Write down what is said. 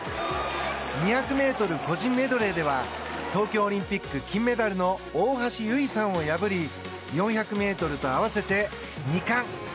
２００ｍ個人メドレーでは東京オリンピック金メダルの大橋悠依さんを破り４００ｍと合わせて２冠。